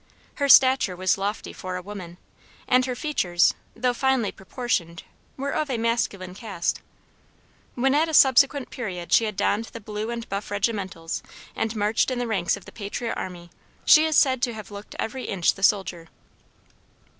Her stature was lofty for a woman, and her features, though finely proportioned, were of a masculine cast. When at a subsequent period she had donned the buff and blue regimentals and marched in the ranks of the patriot army, she is said to have looked every inch the soldier.